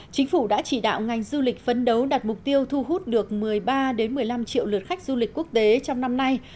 chính phủ đã chỉ đạo ngành du lịch phấn đấu đạt mục tiêu thu hút được một mươi ba một mươi năm triệu lượt khách du lịch quốc tế trong năm nay